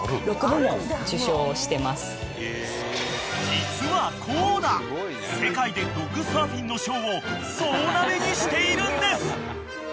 ［実はコーダ世界でドッグサーフィンの賞を総ナメにしているんです］